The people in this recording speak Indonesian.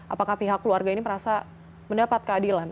apakah pihak keluarga ini merasa mendapat keadilan